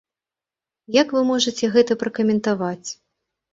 Як вы можаце гэта пракаментаваць?